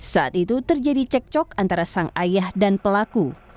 saat itu terjadi cek cok antara sang ayah dan pelaku